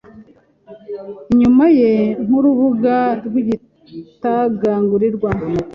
inyuma ye Nkurubuga rwigitagangurirwa